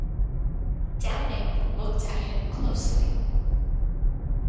Downing looked at him closely.